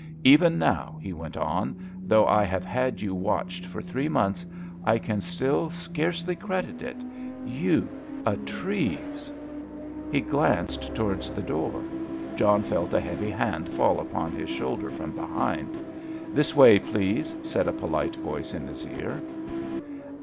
Even now," he went on, "though I have had you watched for three months, I can still scarcely credit it, you—a Treves!" He glanced towards the door. John felt a heavy hand fall upon his shoulder from behind. "This way, please," said a polite voice in his ear.